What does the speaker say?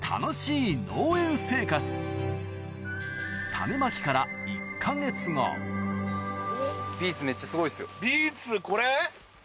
種まきから１か月後ビーツめっちゃすごいですよ。